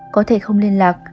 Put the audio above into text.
có thể không liên lạc